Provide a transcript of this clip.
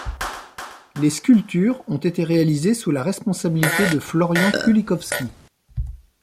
Les sculptures ont été réalisées sous la responsabilité de Florian Kulikowski.